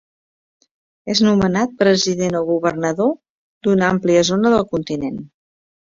És nomenat president o governador d'una àmplia zona del continent.